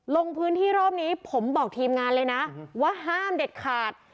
ลงพื้นที่รอบนี้ผมบอกทีมงานเลยนะว่าห้ามเด็ดขาด